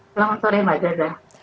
selamat sore mbak jada